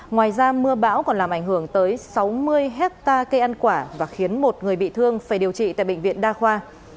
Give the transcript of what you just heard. ngoài ra mưa bão còn làm ảnh hưởng tới sáu mươi hectare cây ăn quả và khiến một người bị thương phải điều trị tại bệnh viện đa khoa